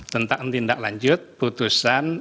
tentang tindak lanjut putusan